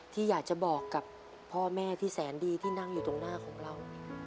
ที่อยากจะบอกกับพ่อแม่ที่แสนดีที่นั่งอยู่ตรงหน้าของเรา